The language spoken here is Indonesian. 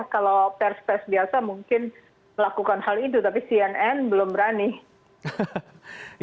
kalau pers pers biasa mungkin melakukan hal itu tapi cnn belum berani